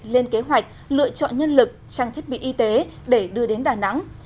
lên kế hoạch lựa chọn nhân lực trang thiết bị y tế để đưa đến đà nẵng